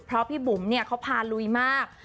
เพราะพี่บุ๋มเนี่ยเขาพาลุยมาก